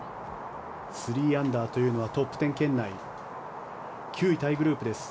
３アンダーというのはトップ１０圏内９位タイグループです。